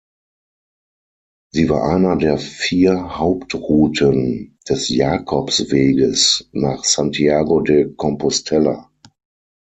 Sie war eine der vier Hauptrouten des Jakobsweges nach Santiago de Compostela.